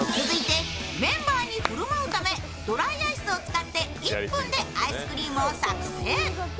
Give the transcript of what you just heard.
続いてメンバーに振る舞うためドライアイスを使って１分でアイスクリームを作成。